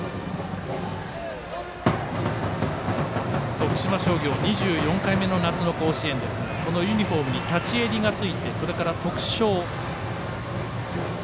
徳島商業２４回目の夏の甲子園ですがこのユニフォームに立ち襟がついてそれから徳商。